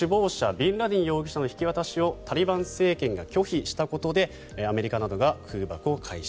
ビンラディン容疑者の引き渡しをタリバン政権が拒否したことでアメリカなどが空爆を開始。